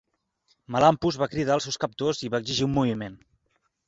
Melampus va cridar als seus captors i va exigir un moviment.